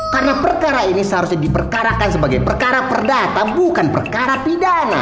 karena perkara ini seharusnya diperkarakan sebagai perkara perdata bukan perkara pidana